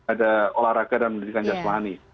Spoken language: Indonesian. ada olahraga dan pendidikan jasmani